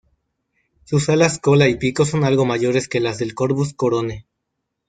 Sus alas cola y pico son algo mayores que las del "Corvus corone".